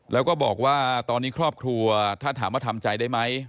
แล้วก็บอกว่าตอนนี้ครอบครัวถ้าถามว่าทำใจได้ไหม